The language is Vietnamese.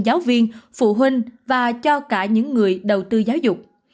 giáo viên phụ huynh và cho cả những người đầu tư giáo dục